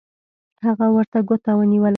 هغه ورته ګوته ونیوله